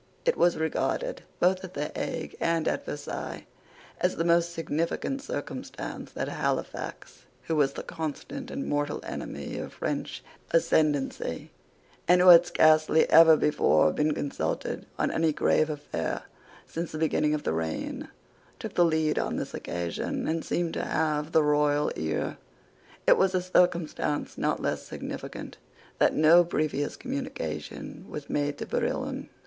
It was regarded, both at the Hague and at Versailles, as a most significant circumstance that Halifax, who was the constant and mortal enemy of French ascendency, and who had scarcely ever before been consulted on any grave affair since the beginning of the reign, took the lead on this occasion, and seemed to have the royal ear. It was a circumstance not less significant that no previous communication was made to Barillon.